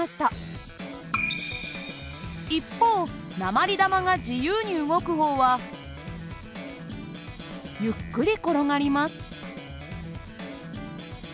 一方鉛玉が自由に動く方はゆっくり転がります。